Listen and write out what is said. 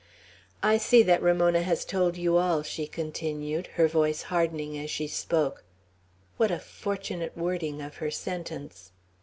"I see that Ramona has told you all!" she continued, her voice hardening as she spoke. What a fortunate wording of her sentence!